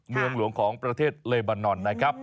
เมืองหลวงของประเทศเลบานอนนะครับ